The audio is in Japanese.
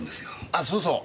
あそうそう。